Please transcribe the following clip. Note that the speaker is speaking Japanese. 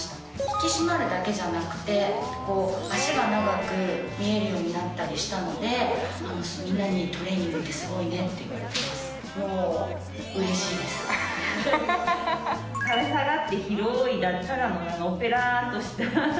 引き締まるだけじゃなくて、脚が長く見えるようになったりしたので、みんなにトレーニングすごいねって言われてます。